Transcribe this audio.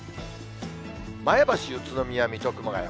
前橋、宇都宮、水戸、熊谷。